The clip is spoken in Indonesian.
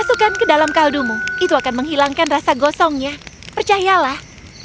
masukkan ke dalam kaldumu itu akan menghilangkan rasa gosongnya percayalah